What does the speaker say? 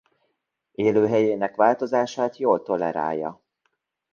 Élőhelyének változását jól tolerálja.